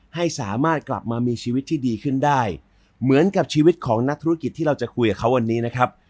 ให้สามารถกลับมามีชีวิตที่ดีขึ้นได้เหมือนกับชีวิตของนักธุรกิจที่เราจะคุยกับเขาวันนี้นะครับ